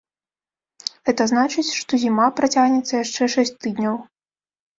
Гэта значыць, што зіма працягнецца яшчэ шэсць тыдняў.